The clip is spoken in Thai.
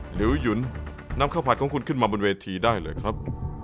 หรือหยุนนำข้าวผัดของคุณขึ้นมาบนเวทีได้เลยครับ